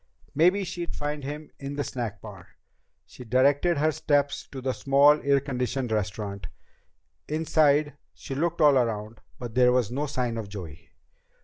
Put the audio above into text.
Maybe she'd find him in the snack bar. She directed her steps to the small air conditioned restaurant. Inside, she looked all around, but there was no sign of Joey.